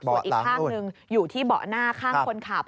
ส่วนอีกข้างหนึ่งอยู่ที่เบาะหน้าข้างคนขับ